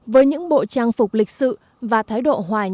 với những bộ trang phục lịch sự và thái độ hòa nhã khi tiếp dân